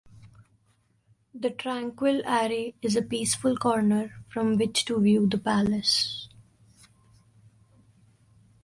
The tranquil array is a peaceful corner from which to view the palace.